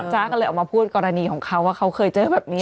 จ๊ะก็เลยออกมาพูดกรณีของเขาว่าเขาเคยเจอแบบนี้